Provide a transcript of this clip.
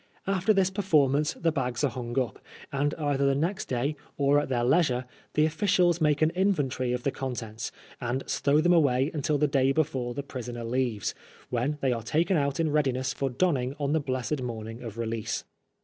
After this per formance the bags are hung up, and either the next day, or at their leisure, the officials make an inventory of the contents, and stow them away until the day before the prisoner leaves, when they are taken out in readiness for donning on the blessed morning of release.